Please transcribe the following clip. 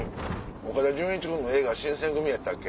岡田准一君の映画新選組やったっけ？